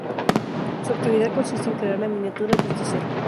Su actividad consiste en crear la miniatura desde cero.